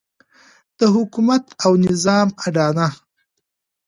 د حکومت او نظام اډانه.